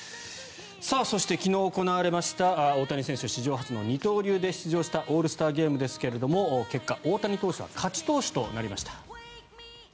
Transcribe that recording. そして、昨日行われた大谷選手史上初の二刀流で出場したオールスターゲームですが結果、大谷投手が勝ち投手となりました。